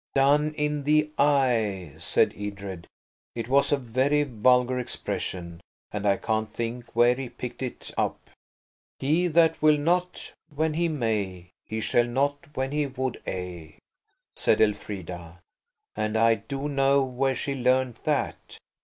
"Done in the eye!" said Edred. It was a very vulgar expression, and I can't think where he picked it up. "'He that will not when he may, He shall not when he would–a,'" said Elfrida–and I do know where she learned that.